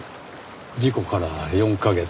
事故から４カ月。